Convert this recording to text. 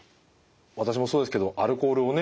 私もそうですけどアルコールをね